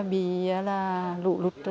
bị sửa chữa lại nhà cửa bị lũ cuốn trôi